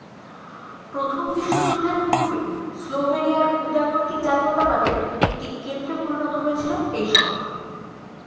প্রথম বিশ্বযুদ্ধের পূর্বে স্লোভেনিয়ার উদারনৈতিক জাতীয়তাবাদের একটি কেন্দ্রে পরিণত হয়েছিল এই শহর।